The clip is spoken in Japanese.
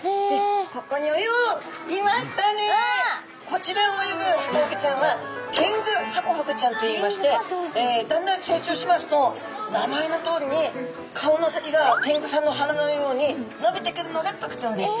こちら泳ぐハコフグちゃんはテングハコフグちゃんといいましてだんだん成長しますと名前のとおりに顔の先がテングさんの鼻のようにのびてくるのが特徴です。